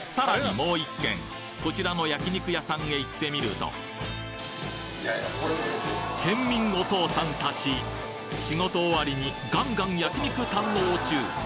もう一軒こちらの焼肉屋さんへ行ってみると県民お父さんたち仕事終わりにガンガン焼肉堪能中！